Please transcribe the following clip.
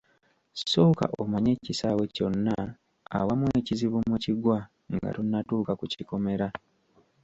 Sooka omanye ekisaawe kyonna awamu ekizibu mwe kigwa nga tonnatuuka kukikomera.